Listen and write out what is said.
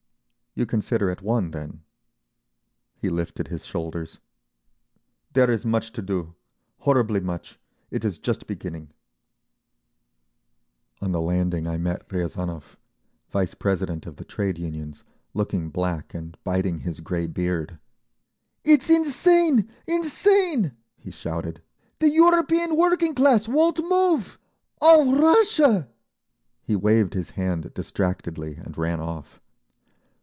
"You consider it won then?" He lifted his shoulders. "There is much to do. Horribly much. It is just beginning…." On the landing I met Riazanov, vice president of the Trade Unions, looking black and biting his grey beard. "It's insane! Insane!" he shouted. "The European working class won't move! All Russia—" He waved his hand distractedly and ran off.